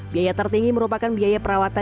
biaya tertinggi merupakan biaya perawatan